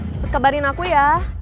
cepet kabarin aku ya